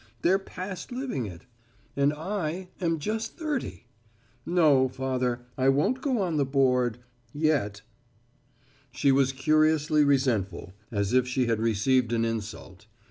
They're past living it. And I am just thirty. No, Father, I won't go on the board yet." She was curiously resentful, as if she had received an insult.